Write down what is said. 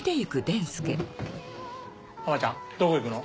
ハマちゃんどこ行くの？